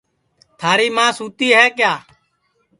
تھاری ماں سُتی ہے کیا